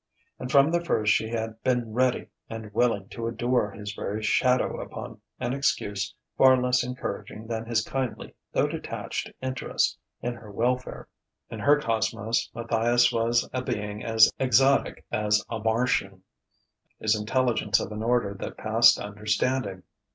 And from the first she had been ready and willing to adore his very shadow upon an excuse far less encouraging than his kindly though detached interest in her welfare. In her cosmos Matthias was a being as exotic as a Martian, his intelligence of an order that passed understanding.